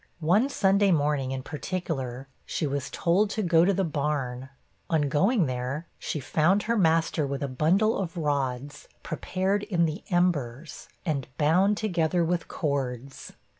One Sunday morning, in particular, she was told to go to the barn; on going there, she found her master with a bundle of rods, prepared in the embers, and bound together with cords.